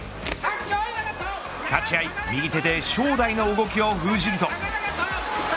立ち合い右手で正代の動きを封じると。